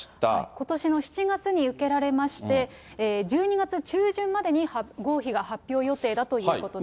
ことしの７月に受けられまして、１２月中旬までに合否が発表予定だということです。